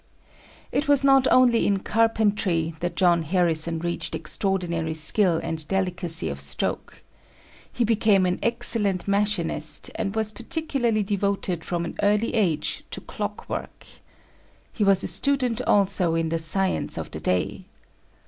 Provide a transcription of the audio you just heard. It was not only in carpentry that John Harrison reached extraordinary skill and delicacy of stroke. He became an excellent machinist, and was particularly devoted from an early age to clock work. He was a student also in the science of the day.